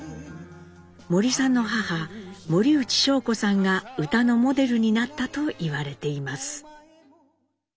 森さんの母森内尚子さんが歌のモデルになったと言われています。